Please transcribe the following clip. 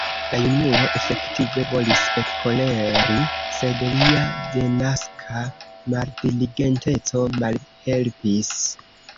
La junulo efektive volis ekkoleri, sed lia denaska maldiligenteco malhelpis.